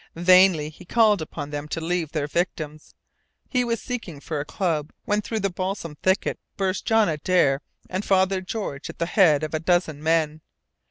Vainly he called upon them to leave their victims. He was seeking for a club when through the balsam thicket burst John Adare and Father George at the head of a dozen men.